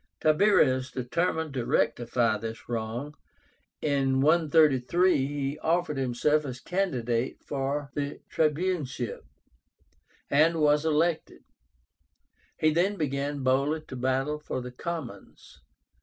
Tiberius determined to rectify this wrong. In 133 he offered himself as candidate for the tribuneship, and was elected. He then began boldly the battle for the commons.